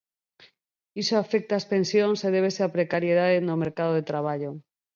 Iso afecta as pensións e débese á precariedade no mercado de traballo.